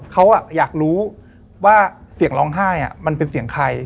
เขาอยากรู้ว่าเสียงร้องไห้มันเป็นเสียงใคร